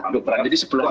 jadi sebelah ini